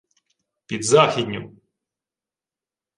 — Під західню!